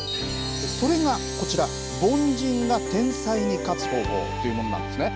それがこちら凡人が天才に勝つ方法というものなんですね。